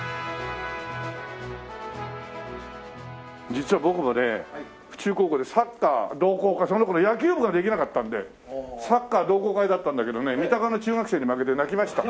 実は僕もね府中高校でサッカー同好会その頃野球部ができなかったんでサッカー同好会だったんだけどね三鷹の中学生に負けて泣きました。